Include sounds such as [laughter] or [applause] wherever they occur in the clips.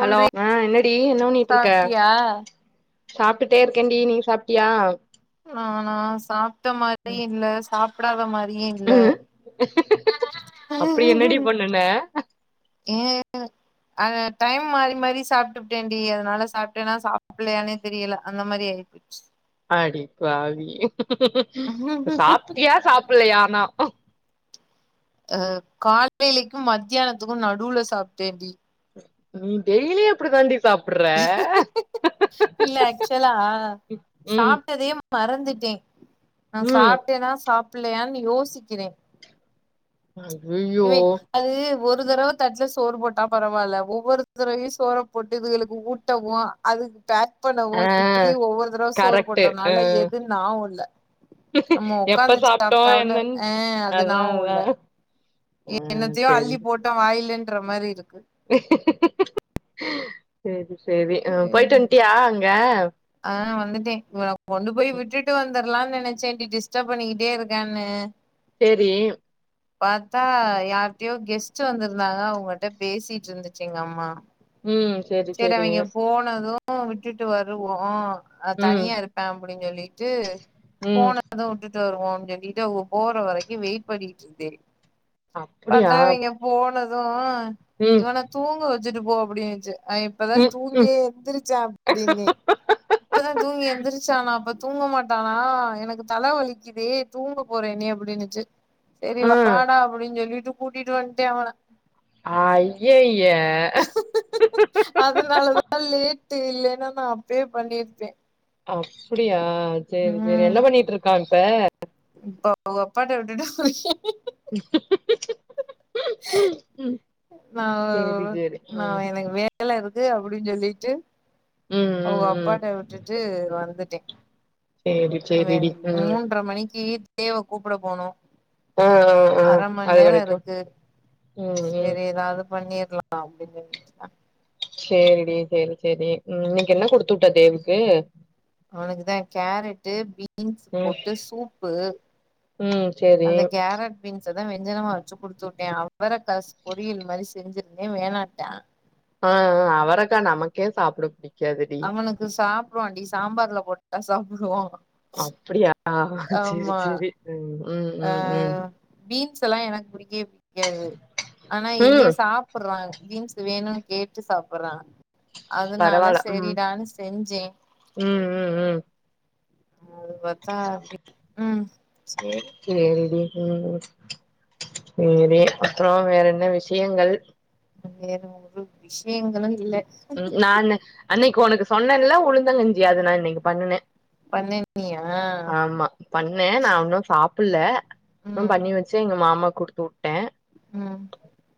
Hello ஆ என்னடி என்ன பண்ணிட்டு இருக்க சாப்ட்டியா சாப்பிட்டுட்டே இருக்கேன்டி நீங்க சாப்ட்டியா நானா சாப்ட்ட மாதிரி இல்ல சாப்பிடாத மாதிரி இல்ல ஏன் இல்ல என்ன ஏ அ டைம் மாறி மாறி சாப்ட்டுபுட்டேன்டி அதுனால சாப்பிட்டேன்னா சாப்படலயானே தெ தெரியல அந்த மாதிரி ஆய்போச்சு அடிப்பாவி சாப்ட்டியா சாப்பலையா ஆனா அப் அ காலையிக்கு மத்தியானத்துக்கு நடுல சாப்பிட்டேண்டி உ டெய்லி அப்படி தாண்டி சாப்டுற இல்ல ஆக்சுவலா ம் சாப்ட்டதே மறந்துட்டே நா ம் சாப்பிட்டேன்னா சாப்பலையான்னு யோசிக்கிறே அய்யயோ இவ அது ஒரு தடவ தட்ல சோறு போட்டா பரவாயில்ல ஒவ்வொரு தடவையு சோறு போட்டு இதுங்களுக்கு ஊட்டவு அதுக்கு ப்படவு ஆ இப்படி ஒவ்வொரு தடவை சோறு கரெக்ட்டு ஆ போட்டதுனால எதுன்னு ஞாவோ இல்ல நம்ம எப்ப உக்காந்து சாப்ட்டோ சாப்பிட்டால என்னன்னு ஆ அது அதா நாவு அதா இல்ல ஆ என்னத்தையோ சேரி அள்ளி போட்டு வாய்லன்ற மாதிரி இருக்கு சேரி சேரி போய்ட்டு வன்ட்டியா அங்க ஆ வந்துட்டே கொண்டு போய் விட்டுட்டு வந்துடலான்னு நெனைச்சேன்டி டிஸ்டர்ப் பண்ணிக்கிட்டே இருக்கான்னு சேரி பாத்தா யார்ட்டையோ கெஸ்ட் வந்திருந்தாங்க அவங்கிட்ட பேசிட்டு இருந்துச்சு எங்க அம்மா ம் சேரி செரி சேரி அவிங்க போனது விட்டுட்டு வருவோ ஆ ம் தனியா இருப்பே அப்டின்னு சொல்லிட்டு ம் போன அத விட்டுட்டு வருவோன்னனு சொல்லிட்டு உங்க போற வரைக்கு வெயிட் பண்ணிட்டு இருந்தே அப்டியா பாத்தா அவிங்க போனது ம் இவன தூங்க வெச்சுட்டு போ அப்டின்னுச்சு ஆ இப்பதா ம் ம் தூங்கியே எந்திரிச்ச அப்டின்னே இப்பதா தூங்கி எந்திரிச்சான்னா அப்ப தூங்க மாட்டானா எனக்கு தல வலிக்குதே தூங்க போறேனே அப்டின்னுச்சு செரி ஆ வாடா அப்டின்னு சொல்லிட்டு கூட்டிட்டு வந்துட்டே அவனா அய்யய்ய அதனாலதா லேட்டு இல்லன்னா நா அப்பயே பண்ணி இருப்பே அப்படியா சேரி சேரி ம் என்ன பண்ணிட்டு இருக்கா இப்ப இப்ப அவுக அப்பாட்ட விட்டுட்டு வந்திருக்க [inaudible] [unintelligible] சேரி சேரி ம் வேல இருக்கு அப்டின்னு சொல்லிட்டு ம் ம் அவங்க ம் அப்பாட்ட விட்டுட்டு வந்துட்டே சேரி சேரிடி [unintelligible] ம் மூன்றர மணிக்கு தேவ்வ கூப்ட போனு ஆ ஆ ஆ அர மண் அது நேரோ வரைக்கு இருக்கு ம் ம் சேரி ஏதாவது பண்ணிறலா அப்டின்னு சொல்லிட்டுதா சேரிடி சேரி சேரி ம் இன்னிக்கி என்ன குடுத்து விட்டா தேவ்க்கு அவனுக்குதா கேரட்டு பீ பீன்ஸ் ம் போட்டு சூப்பு ம் சேரி அந்த கேரட் பீன்ஸ்சதா வெஞ்சனமா வெச்சு குடுத்து உட்டே அவரக்கா பொரியல் மாரி செஞ்சிருந்தே வேணான்ட்டா ஆ ஆ அவரக்கா நமக்கே சாப்பிட புடி அவனுக்கு சாப்பிடுவான்டி சாம்பார்ல போட்டா தா சாப்பிடுவா அவ அப்பிடியா செரி செரி ம் ம் ஆ ம் ம் பீன்ஸ் எல்லா எனக்கு புடிக்கவே புடிக்காது ஆனா இவ ம் சாப் சாப்ட்றா பீன்ஸ் வேணுனு கேட்டு சாப்ட்றா அதனால பரவால்ல ம் செரிடான்னு செஞ்சே ம் ம் ம் அது பத்தா அப்டி ம் சேர் சேரி ம் சேரி அப்புறோ வேற என்ன விஷயங்கள் வேற ஒரு விஷயங்களு இல்ல ம் நா அன் அன்னைக்கு உனக்கு சொன்னேன்ல்ல உளுந்தங்கஞ்சி அது நா இன்னிக்கி பண்ணுனே பண்ணனியா ஆமா பண்ணே நா உன்னு சாப்பில்ல [unintelligible] ம் பண்ணி வெச்சே எங்க மாமா குடுத்து வுட்டே ம்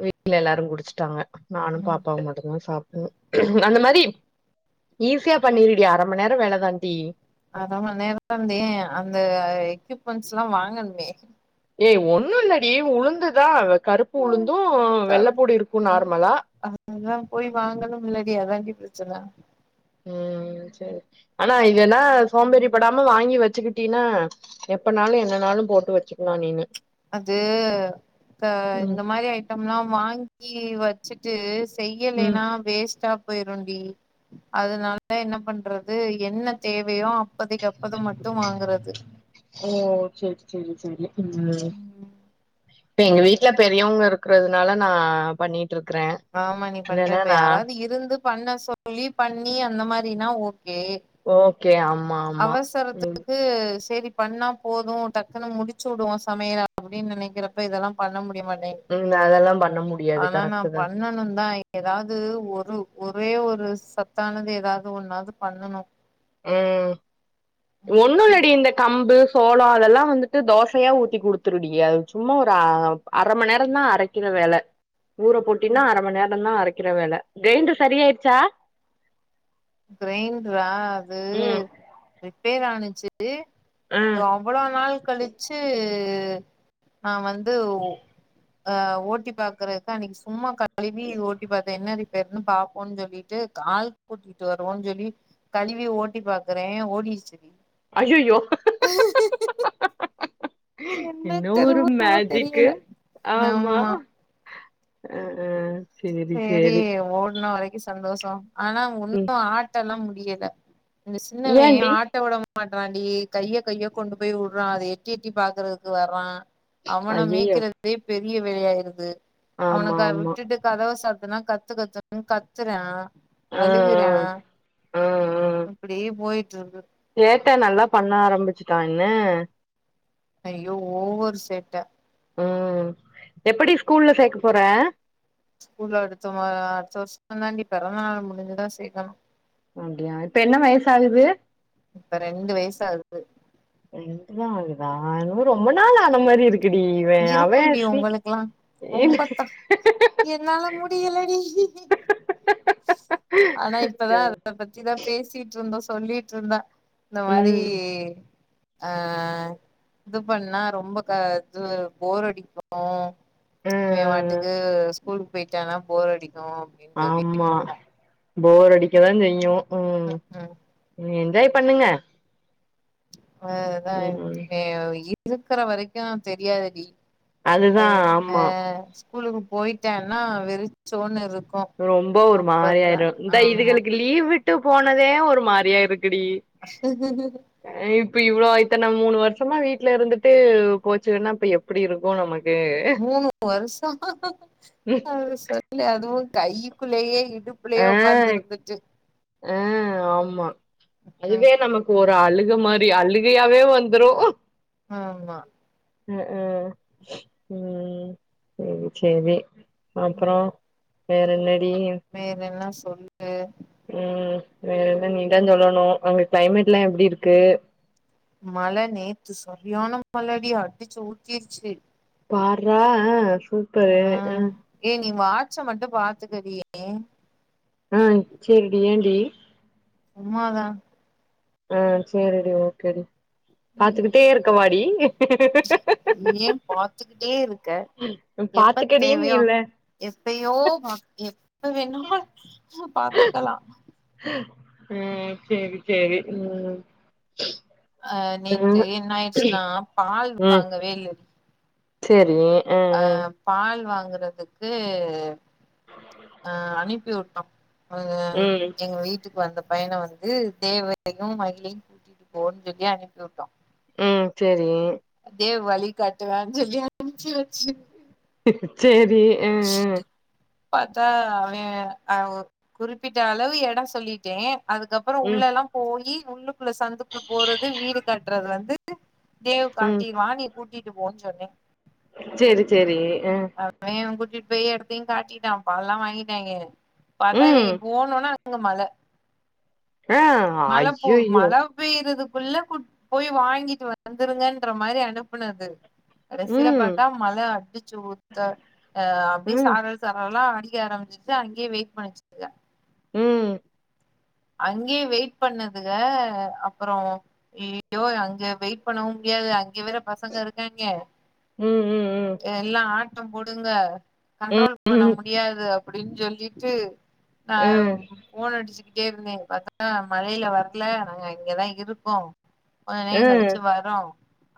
வீட்ல எல்லாரு குடிச்சட்டாங்க நானு ம் பாப்பாவு மட்டுதா சாப் அந்த மாரி ஈஸியா பண்ணிருடி அர மண் நேர வேலதான்ட்டி அர மண் நேரந்தே அந்த எக்யூப்மெண்ட்ஸ் எல்லா வாங்கணுமே ஏய் ஒண்ணு இல்லடி உளுந்துதா கருப்பு உளுந்து கரும வெள்ளப்பூடு இருக்கு நார்மலா அதா போய் வாங்கனும்லடி அதாண்டி பிரச்சன ம் செரி அனா இதென்னா சோம்பேறி படாம வாங்கி வெச்சுக்கிட்டீன்னா எப்பனாலு என்னனாளு போட்டு வெச்சுக்கலாம நீனு அது க ம் இந்த மாரி ஐட்டம்லா வாங்கி வக் ச்சுட்டு ம் செய்யலைன்னா வேஸ்ட்டா போயிருண்டி அதனாலா என்ன பண்றது என்ன தேவையோ அப்பதைக்கு அப்பத மட்டும வாங்கறது ஓ செரி செரி செரி ம் இப்ப எங்க வீட்ல பெரியவங்க இருக்கறதுனால நா பண்ணிட்டு இருக்கற ஆமா நீ பண்ற இப்ப யாராவது இருந்து பண்ண சொல்லி பண்ணி அந்த மாரினா ஓகே ஓகே ஆமா ஆமா ம் அவசரத்துக்கு சேரிப் பண்ணா போது டக்குன்னு முடிச்சுவுடுவோ சமையல அப்படின் நெனைக்கறப்ப இதல்லா பண்ண முடியமாட்டிங் ம் அதல்லா பண்ண முடியாது கரெக்ட்டுதா நானுந்தா எதாது ஒரு ஒரே ஒரு சத்தானது எதாவது ஒன்னாவது பண்ணணு ம் ம் ஒன்னுள்ளடி இந்த கம்பு சோளா அதெல்லா வந்துட்டு தோசையா ஊத்தி குடுத் த்துருடிய சும்மா ஒரு அ அர மண்நேரந் தா அரைக்கிற வேல ஊரப் போட்டினா அர மண்நேரந்தா அரைக்கற வேல கிரைண்டர் சரி ஆயிடுச்சா கிரைண்டரா அது ம் ரிப்பேர் ஆனுச்சு அ இவ்வளோ நாள் கழிச்சு நா வந்து அ ஓட்டி பாக்கறக்கு அன்னைக்கு சும்மா க கழுவி ஓட்டி பாத்த என்ன ரிப்பேருன்னு பாப்போன்னு சொல்லிட்டு கால் கூட்டிட் ட்டு வருவோன்னு சொல்லி கழுவி ஓட்டி பாக்கறே ஓடிருச்சி டி அய்யய்யோ என்ன ஒரு தெருமோ மேஜிக்கு தெரியல ஆமா அ அ சேரி ஓடுன வரைக்கு சந்தோஷம் ஆனா ஒன்னு ம் ஆட்டலா முடியல இந்த சின்னவே ஏன்டி ஆட்ட உடம் மாட்டறான்டி கைய கைய கொண்டு போய் உடுறா அத எட்டி எட்டி பாக்கறதுக்கு வர்றா அவன ஐயையோ மேய்கறதே பெரிய வேலையாயிருது ஆமா அவனுக்கா ஆமா விட்டுட்டு கதவ சாத்துனா கத்து கத்துனு கத்துறா ஆ அழுகறா ஆ ஆ ஆ அப்படியே போயிட்டு இருக்குது சேட்ட நல்லா பண்ண ஆரம்பிச்சுட்டா என்ன ஐய்யோ ஓவர் சேட்ட அ எப்படி ஸ்கூல்ல சேக்க போற ஸ்கூல்ல அடுத்த வா அடுத்த வருஷ தாண்டி பெறந்த நாள் முடிஞ்சுதா சேக்கணு அப்படியா இப்ப என்ன வயசாகுது இப்ப ரெண்டு வயசாகுது ரெண்டு தா ஆகுதா என்னமோ ரொம்ப நாள் ஆன மாரி இருக்குடி இவ அவ சீக் இல்ல ரொம்பத்தா என்னால முடியல டீ அதா இப்பதா அது அத பத்திதா பேசிட்டுருந்தோ சொல்லிட்ருந்தா இந்த மாரி ம் அ இது பண்ணா ரொம்ப க இது போரடிக்கு ஆ ஆ இவாட்டுக்கு ஸ்கூலுக்கு போயிட்டானா போர் அடிக்கு அப்டின்னு ஆம்மா சொல்லிட்ருந்தோ போர் அடிக்கதா செய்யு ம் நீ என்ஜாய் பண்ணுங்க அ அதா ம் இருக்குற வரைக்கு தெரியாதுடி அது தா அ ஆ ஆமா ஸ்கூலுக்கு போயிட்டனா வெறிச்சோன்னு இருக் ரொம்ப ஒரு மாரியாயிரு இந்த ஆமா இதுகளுக்கு லீவ் விட்டு போனதே ஒரு மாரியா இருக்குடி அ இப்ப இவ்ளோ இத்தன மூணு வருசமா வீட்ல இருந்துட்டு போச்சுகனா அப்ப எப்டி இருக்கு நமக் மூணு வருஷோ அத சொல்லு அதுவு கைக்குள்ளயே இடுப் புள்ளயே உக்காந்து இருந்துட்டு அ ஆமா ம் அதுவே நமக் ஒரு அழுக மாரி அழுகையாவே வந்துரு ஆமா அ அ ம் செரி செரி அப்பறோ வேற என்னடி வேறென்னா சொல் அ ம் வேற என்ன நீதா சொல்லணு அங்க கிளைமேட் எல்லா எப்டி இருக்கு மழ நேத்து சரியான மழ டி அடிச்சி ஊத்திருச்சு பார்ரா அ சூப்பரு அ ம் ஏ நீ வாச்ச மட்டு பாத்துக்கடி அ சேரிடி ஏன்டி சும்மாதா அ சேரி டி ஓகேடி பாத்துக்கிட்டே இருக்க வாடி ஏ பாத்துக்கிட்டே இருக்க எப்ப பாத்துக்கடின்னு தேவையோ அப் இல்ல எப்பயோ வா எப்ப வேணாலு பாத்துக்கலா ம் சேரி சேரி ம் அ நேத்து ம் என்ன ஆயிடுச்சுனா பால் வாங்கவே இல்லடி செரி அ பால் வாங்குறதுக்கு ஆ அனுப்பி வுட்டோ அது ம் எங்க வீட் ட்டுக்கு வந்த பையன வந்து தேவையு மகிழையு கூட்டிட்டு போன் சொல்லி அனுப்பி வுட்டோ ம் செரி தேவ் வழி காட்டுவான் சொல்லி அனுப்ச்சு வச்சு சேரி அ அ பாத்தா அவெ அ குறிப்பிட்ட அளவு எடோ சொல்லிட்டே அதுக்கப் அப்பற உள்ள ம் எல்லா போயி உள்ளுக்குள்ள சந்துக்குள்ள போறது வீடு கட்டுறதுலந்து து தேவ் ம் காட்டிருவா நீ கூட்டிட்டு போன் சொன்னே சேரி சேரி அ அவெ கூட்டிட்டு போய் எடத்தையு காட்டிட்டா பால்லா வாங்கிட்டாங்க பாத்தா ம் இவங்க போனோன அங்க மழ ஆ மழ போ ஐயையோ மழ பேயறதுக்குள்ள வுட் போய் வாங்கிட்டு வந்துருங்கன்ற மாரி அனுப்புனது கடைசில ம் பாத்தா மழ அடிச்சு ஊத்த அ அப்டியே ம் சார சாரல் சாரலா அடிக்க ஆரம்பிச்சிருச்சி அங்கயே வெயிட் பண்ணிச்சிக ம் அங்கயே வெயிட் பண்ணுதுக அப்பறோ அய்யோ அங்க வெயிட் பண்ணவு முடியாது அங்க வேற பசங்க இருக்காங்க ம் ம் ம் எல்லாம் ஆட்டம் போடுங்க கண்ட்ரோல் ம் பண்ண முடியாது அப்டின்னு சொல்லிட்டு அ ம் ஃபோன் அடிச்சு ட்டே இருந்த பாத்தா மழையில வரல நாங்க இங்கதா இருக்கோம் கொஞ்ச நேரம் ம் கழிச்சு வர் றோம்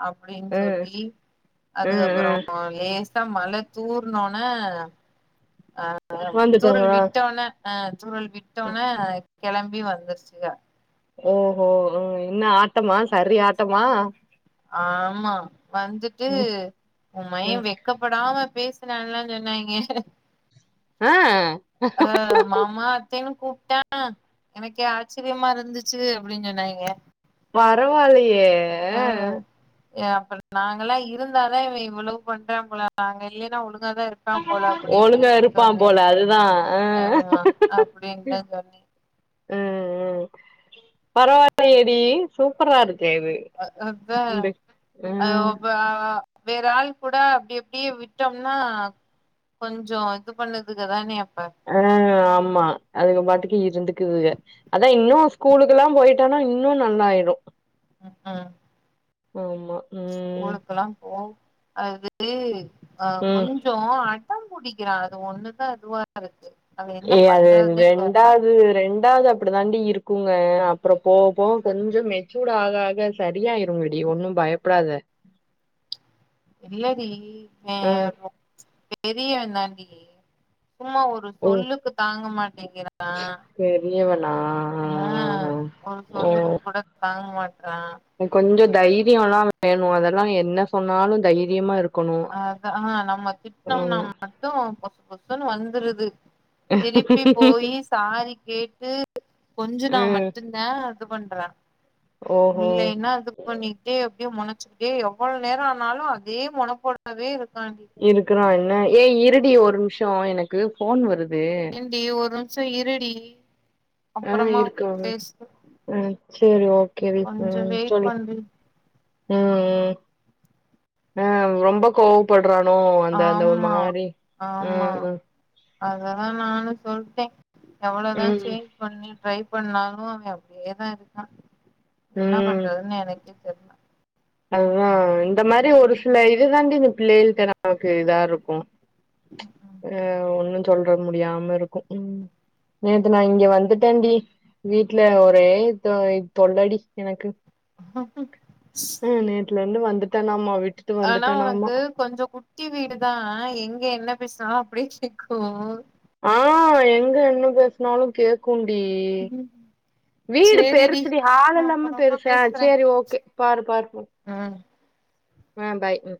அப்டின்னு ம் சொல்லி ம் அதுக்கப்பறம் லேஸ் மழை தூர்னோன ஆ தூரல் வந்துட்டாங்களா விட்டோன அ தூரல் விட்டோன கெளம்பி வந்துருச்சுக ஓஹோ ஹோ என்ன ஆட்டமா சரி ஆட்டமா ஆமா வந்துட்டு ம் ம் உன்மையன் வெக்க ப்படாம பேசுரான்லாம் சொன்னாயிங்க ஆ அ மாமா அத்தேன்னு கூப்ட்டான் எனக்கே ஆச்சரியமா இருந்துச்சு அப்டின்னு சொன்னாயிங்க பரவால்லியே ஆ அப்ப நாங்கல்லாம் இருந்தாதா இவன் இவ்ள பண்றான் போல நாங்க இல்லைன்னா ஒழுங்காதா இருக் ஒழுங்கா இருப்பான் போல அதுதான் ஹ ஆமா அப்டின்னுதா சொன்னே பரவாயில்லயேடி சூப்பரா இருக்கே இது இந்த ம் [unintelligible] வேற ஆள் கூட அப்படி அப்டியே விட்டோம்னா கொஞ்ச இது பண்ணுதுக்கு தானே அப்ப ஆ ஆமா அது பாட்டுக்கு இருந்துக்குதுக அதா இன்னும் ஸ்கூலுக்கல்லா போயிட்டானா இன்னு நல்லாயிடும் ம் ஆமா ம் ஸ்கூலக்கல்லாபோம் அதுக்கு அ ம் கொஞ்ச கொஞ்ச அடம் புடிக்கறா அது ஒண்ணுதா அதுவா இருக்கு அது என்ன ஏய் அது பண்றதுன்னே தெர்ல ரெண்டாவது ரண்டு ரெண்டாவது அப்படி தாண்டி இருக்குங்க அப்பறம் போபோக கொஞ்ச மெச்சூட் ஆக ஆக சரியாயிருங்கடி ஒன்னும் பயப்படாத இல்லடி அ. இவன் ஒ பெரிய அண்ணண்டி சும்மா ஒரு ஓ! சொல்லுக்கு தாங்க மாட்டங்கறா பெரியவனா? அ ஆ ஒரு சொல்லுக்கு கூட தாங் மாற்றா கொஞ்ச தைரியம்ல்லாம் வேணும் அதெல்லாம் என்ன சொன்னாலும் தைரியமா இருக்கு அதா நம்ம திட்டனோம்னா ஆமா. மட்டு பொசு பொசுன்னு வந்துருது திருப்பி போயி சாரி கேட்டு கொஞ்சுனா ம். மட்டும் தா இது பண்றான் ஓஹோ! இல்லேன்னா அது இது பண்ணிட்டே எப்டியோ மொனச்சுக்கிட்டே எவ்ள நேரம் ஆனாலும் அதே மொனப்போடவே இருக்காண்டி இருக்குறான் என்ன ஏ இருடி ஒரு நிம்ஷம் எனக்கு ஃபோன் வருது டி ஒரு நிம்ஷம் இருடி ஆ அப்பறமா இருக்காங்க பேசு ஆ சரி ஓ ஓகே வை கொஞ்சோ ம் வெயிட் சொல்லு பண்றி ம் ம் ஆ ரொம்ப கோவம் பட்றானோ அந்த அந்த ஒரு ஆமா மாரி ஆமா ம் ம் அததா நானும் சொல்ட்டேன் எவ்ளவதா செ ம் பண்ணி ட்ரை பண்ணாலு அவ அப்டியே தா இருக்கா என்ன பண்றதுன்னு எனக்கே தெர் அதா இந்த மாரி ஒரு சில இது தாண்டி இந்த பிள்ளைகள்டா நமக்கு இதாருக்கு. அ ஒன்னு சொல்றது முடியாம இருக்கு ம். நேத்து நா இங்க வந்துட்டன்டி. வீட்ல ஒரே இ தொ இ‌ தொள்ளடி எனக்கு. [unintelligible] நேத்லந்து வந்துட்டானாமா விட்டு ஆனா உனக்கு கொஞ்சோ குட்டி வீடுதா எங்க என்ன பேசுனாலு அப்டியே கேக்கு. அ எங்க என்ன பேசுனாலு கேக்குன்டி. வீடு சேரிடி பெருசுடி ஹால் நா எல்லாமே அப்பறமா பெருசு ஆ பேசுறே சேரி ஓகே பாரு பாரு பாரு. ம். ஆ பாய் ம்.